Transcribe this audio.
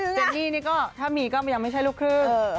คุณเจนซีนีถ้ามีก็ยังไม่ใช่รูปครึ่ง